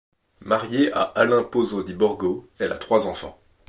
Mariée à Alain Pozzo di Borgo, elle a trois enfants.